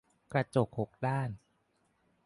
กระจกหกด้าน